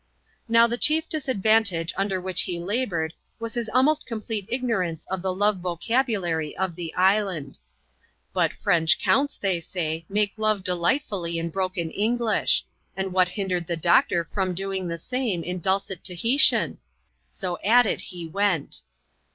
Now the chief disadvantage under which he laboured, was his almost complete ignorance of the love vocabulary of the island. But French counts^ they say, make love delightfully in broken English ; and what hindered the doctor from doing the same in dulcet Tahitian ? So at it he went.